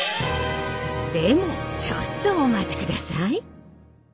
でもちょっとお待ちください。